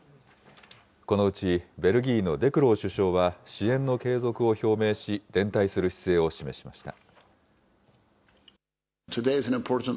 このうち、ベルギーのデクロー首相は支援の継続を表明し、連帯する姿勢を示しました。